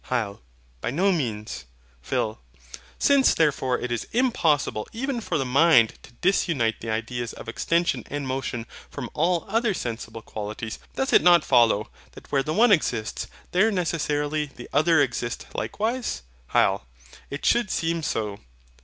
HYL. By no means. PHIL. Since therefore it is impossible even for the mind to disunite the ideas of extension and motion from all other sensible qualities, doth it not follow, that where the one exist there necessarily the other exist likewise? HYL. It should seem so.